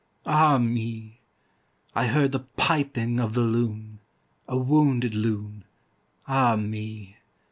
Ah me!I heard the piping of the Loon,A wounded Loon. Ah me!